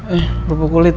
eh bubuk kulit